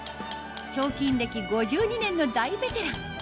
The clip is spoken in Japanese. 彫金歴５２年の大ベテラン